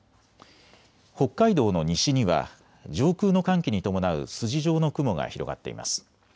北海道の西には上空の寒気に伴う筋状の雲が広がっています。